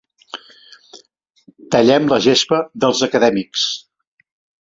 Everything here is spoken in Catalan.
Tallem la gespa dels acadèmics.